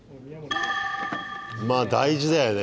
まあ大事だよね